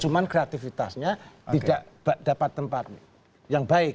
cuman kreatifitasnya tidak dapat tempat yang baik